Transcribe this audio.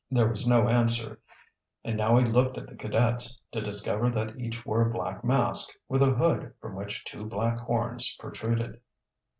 There was no answer, and now he looked at the cadets, to discover that each wore a black mask, with a hood from which two black horns protruded.